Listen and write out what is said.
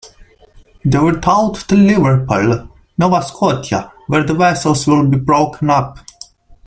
They were towed to Liverpool, Nova Scotia where the vessels will be broken up.